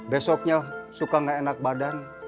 besoknya suka gak enak badan